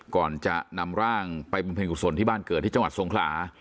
ก่อนจะนำร่างไปบำเพ็ญกุศลที่บ้านเกิดที่จังหวัดสงขลา